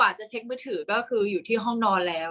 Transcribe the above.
กากตัวทำอะไรบ้างอยู่ตรงนี้คนเดียว